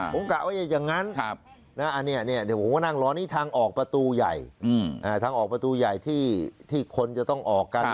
ผมกะว่าอย่างนั้นเดี๋ยวผมก็นั่งรอนี้ทางออกประตูใหญ่ทางออกประตูใหญ่ที่คนจะต้องออกกัน